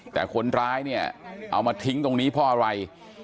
แต่คนร้ายเนี่ยเอามาทิ้งตรงนี้เพราะอะไร